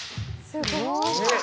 すごい。